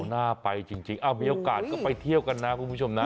น่าไปจริงมีโอกาสก็ไปเที่ยวกันนะคุณผู้ชมนะ